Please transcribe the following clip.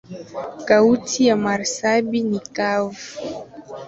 Kaunti ya marsabit ni kavu.